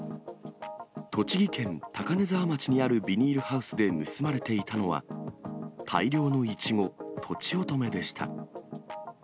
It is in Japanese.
栃木県高根沢町にあるビニールハウスで盗まれていたのは、大量のイチゴ、とちおとめでした。